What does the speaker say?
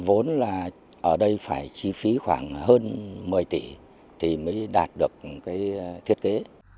ở đây phải chi phí khoảng hơn một mươi tỷ thì mới đạt được cái thiết kế